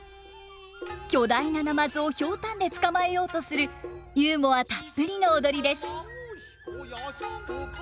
巨大なナマズを瓢箪で捕まえようとするユーモアたっぷりの踊りです。